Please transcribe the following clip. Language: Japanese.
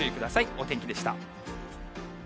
お天気でした。